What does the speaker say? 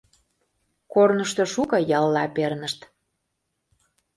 Корнышто шуко ялла пернышт.